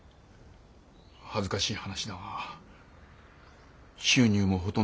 恥ずかしい話だが収入もほとんどない。